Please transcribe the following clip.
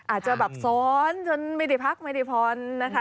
อาจจะแบบซ้อนจนไม่ได้พักไม่ได้พรนะคะ